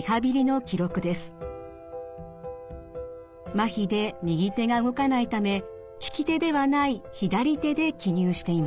まひで右手が動かないため利き手ではない左手で記入しています。